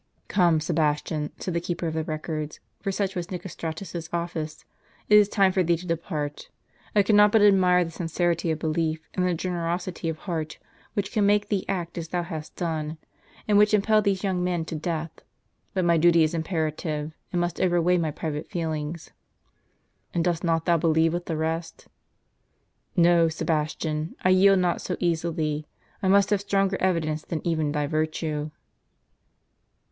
" Come, Sebastian," said the keeper of the records, for such was Nicostratus's office; "it is time for thee to depart. I cannot but admire the sincerity of belief, and the gener osity of heart, which can make thee act as thou hast done, and which impel these young men to death ; but my duty is imperative, and must overweigh my private feelings." " And dost not thou believe with the rest ?"" No, Sebastian, I yield not so easily; I must have stronger evidences than even thy virtue."